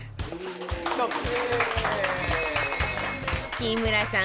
木村さん